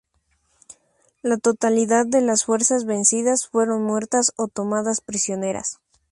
La totalidad de las fuerzas vencidas fueron muertas o tomadas prisioneras.